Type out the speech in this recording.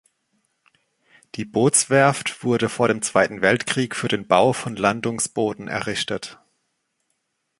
Die Bootswerft wurde vor dem Zweiten Weltkrieg für den Bau von Landungsbooten errichtet.